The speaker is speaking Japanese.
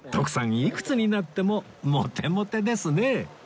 いくつになってもモテモテですね！